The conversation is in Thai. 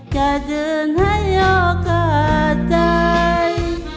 จะยืนให้โอกาสใจ